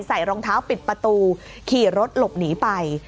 รองเท้าปิดประตูขี่รถหลบหนีไป